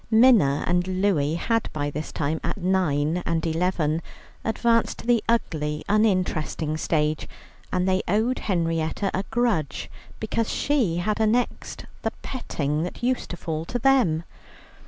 Minna and Louie had by this time, at nine and eleven, advanced to the ugly, uninteresting stage, and they owed Henrietta a grudge because she had annexed the petting that used to fall to them.